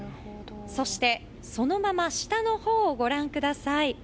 そして、そのまま下のほうをご覧ください。